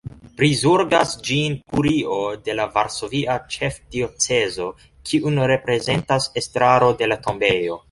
Prizorgas ĝin Kurio de la Varsovia Ĉefdiocezo, kiun reprezentas estraro de la tombejo.